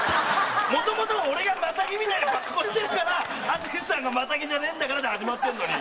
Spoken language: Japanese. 元々は俺がマタギみたいな格好してるから淳さんがマタギじゃねえんだからで始まってるのに。